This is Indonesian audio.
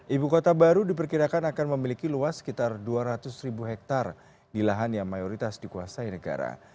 ibu kota baru diperkirakan akan memiliki luas sekitar dua ratus ribu hektare di lahan yang mayoritas dikuasai negara